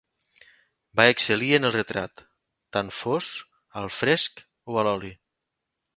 Va excel·lir en el retrat; tant fos al fresc o a l'oli.